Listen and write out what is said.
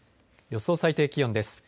予想最低気温です。